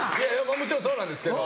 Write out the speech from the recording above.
もちろんそうなんですけど。